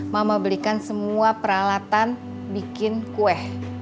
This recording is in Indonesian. mama belikan semua peralatan bikin kue